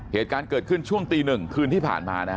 เหตุการณ์เกิดขึ้นช่วงตีหนึ่งคืนที่ผ่านมานะฮะ